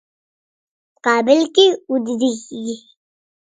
مقابل کې ودریږي.